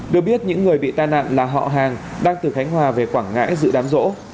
được biết những người bị tai nạn là họ hàng đang từ khánh hòa về quảng ngãi dự đám rỗ